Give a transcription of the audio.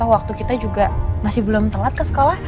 waktu kita juga masih belum telat ke sekolah